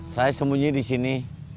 saya sembunyi di sini